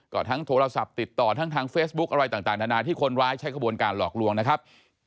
ก็ทั้งโทรศัพท์ติดต่อทั้งทางเฟซบุ๊คอะไรต่างนานาที่คนร้ายใช้ขบวนการหลอกลวงนะครับ